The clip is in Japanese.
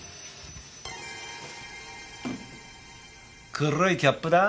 黒いキャップだぁ？